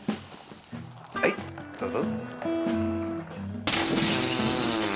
はいどうぞ。